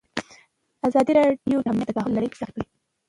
ازادي راډیو د امنیت د تحول لړۍ تعقیب کړې.